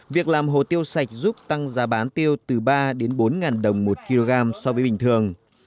việc làm hồ tiêu sạch giúp tăng giá bán tiêu từ ba đến bốn đồng một kg so với bình thường